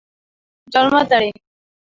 Jo el mataré!